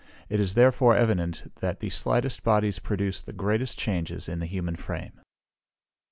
It is therefore evident that the slightest bodies produce the greatest changes in the human frame.